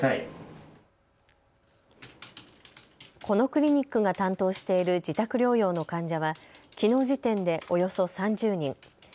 このクリニックが担当している自宅療養の患者はきのう時点でおよそ３０人。